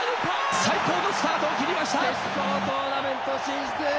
最高のスタートを切りました。